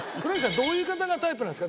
どういう方がタイプなんですか？